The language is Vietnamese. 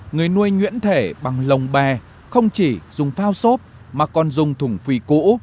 người nuôi nhuyễn thể bằng lồng bè không chỉ dùng phao xốp mà còn dùng thùng phì cũ